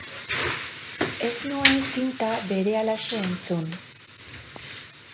Ez nuen zinta berehalaxe entzun.